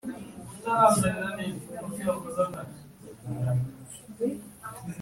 Kugira ngo ubujurire bwakirwe bugomba kuba bwujuje ibisabwa